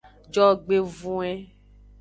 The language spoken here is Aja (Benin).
Jogbevoin.